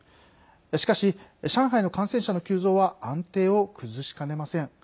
しかし、上海の感染者の急増は安定を崩しかねません。